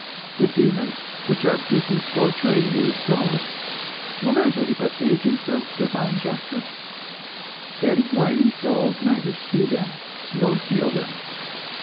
The demons which are busy torturing these souls, what are they but agents of divine justice? That is why these souls neither see them nor feel them.